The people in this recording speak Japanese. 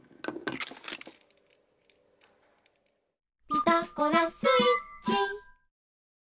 「ピタゴラスイッチ」